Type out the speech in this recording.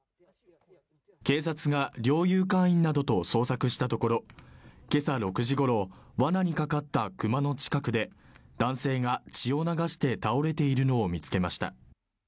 警察が猟友会員などと捜索したところけさ６時ごろわなにかかったクマの近くで男性が血を流して倒れているのを見つけました